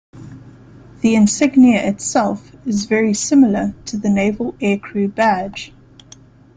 The insignia itself is very similar to the Naval Aircrew Badge.